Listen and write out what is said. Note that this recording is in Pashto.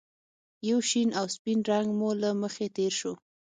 یو شین او سپین رنګ مې له مخې تېر شو